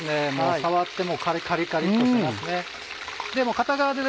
触ってもうカリカリカリっとしてますね。